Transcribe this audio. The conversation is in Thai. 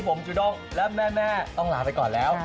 ผมจุด้งและแม่ต้องลาไปก่อนแล้ว